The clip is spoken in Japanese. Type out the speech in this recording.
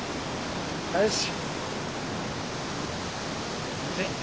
よし！